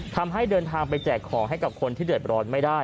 ทำให้เดินทางไปแจกของให้กับคนที่เดือดร้อนไม่ได้